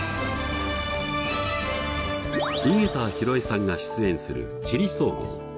井桁弘恵さんが出演する「地理総合」。